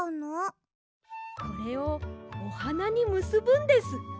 これをおはなにむすぶんです。